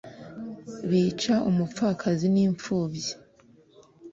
bica umupfakazi n'impfubyi